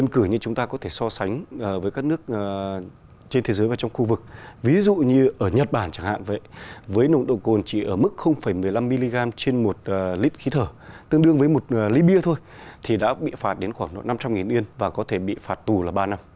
đơn cử như chúng ta có thể so sánh với các nước trên thế giới và trong khu vực ví dụ như ở nhật bản chẳng hạn vậy với nồng độ cồn chỉ ở mức một mươi năm mg trên một lít khí thở tương đương với một ly bia thôi thì đã bị phạt đến khoảng năm trăm linh yên và có thể bị phạt tù là ba năm